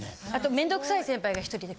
あと面倒くさい先輩が１人。